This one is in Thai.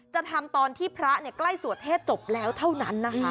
จะทำตอนที่พระใกล้สวดเทศจบแล้วเท่านั้นนะคะ